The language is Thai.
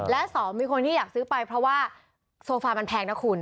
และสองมีคนที่อยากซื้อไปเพราะว่าโซฟามันแพงนะคุณ